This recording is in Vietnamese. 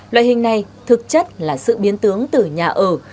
loại hình này thực chất là sự biến tướng từ nhà ở